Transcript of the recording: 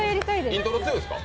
イントロ強いですか？